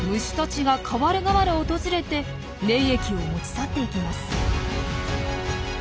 虫たちがかわるがわる訪れて粘液を持ち去っていきます。